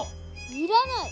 要らない！